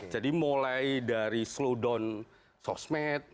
jadi mulai dari slowdown sosmed